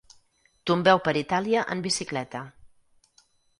Tombeu per Itàlia en bicicleta.